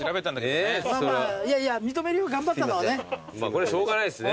これはしょうがないっすね。